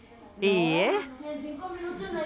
いいえ。